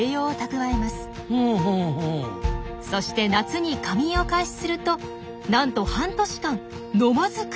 そして夏に夏眠を開始するとなんと半年間飲まず食わず。